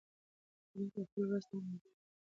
تاریخ د خپل ولس د همدردۍ او مرستې يادښت دی.